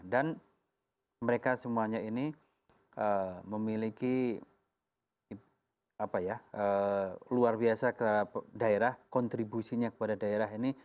dan mereka semuanya ini memiliki luar biasa kontribusinya kepada daerah ini